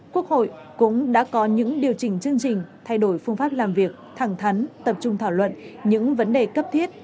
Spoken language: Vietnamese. quốc hội cũng đã có những điều chỉnh chương trình thay đổi phương pháp làm việc thẳng thắn tập trung thảo luận những vấn đề cấp thiết